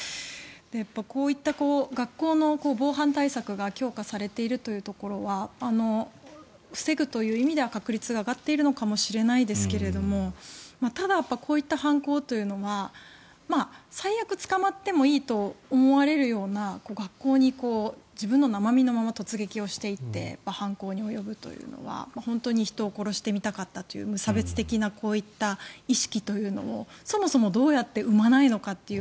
こういった学校の防犯対策が強化されているというところは防ぐという意味では、確率が上がっているのかもしれませんがただ、こういった犯行は最悪、捕まってもいいと思われるような学校に自分の生身のまま突撃していって犯行に及ぶというのは、本当に人を殺してみたかったという無差別的なこういった意識というのをそもそもどうやって生まないのかという